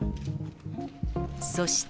そして。